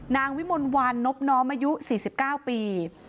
นางวิมนต์วานนบน้อมอายุ๔๙ปี